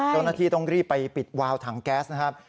เจ้าหน้าที่ต้องรีบไปปิดวาวถังแก๊สนะครับ